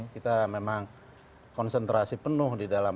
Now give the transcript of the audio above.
kita memang konsentrasi penuh di dalam